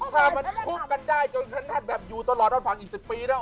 ถ้ามันพุ่งกันได้จนขนาดแบบอยู่ตลอดฟังอีก๑๐ปีนะ